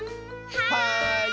はい！